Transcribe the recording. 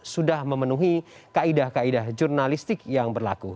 sudah memenuhi kaedah kaedah jurnalistik yang berlaku